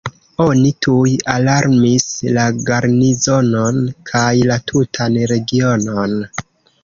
Oni tuj alarmis la garnizonon kaj la tutan regionon.